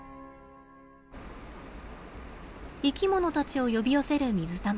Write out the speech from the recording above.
生きものたちを呼び寄せる水たまり。